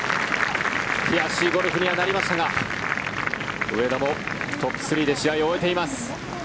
悔しいゴルフにはなりましたが上田もトップ３で試合を終えています。